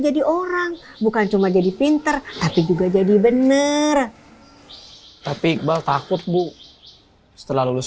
jadi orang bukan cuma jadi pinter tapi juga jadi bener tapi iqbal takut bu setelah lulus